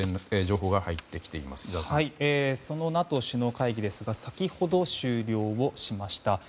ＮＡＴＯ首脳会議ですが先ほど終了しました。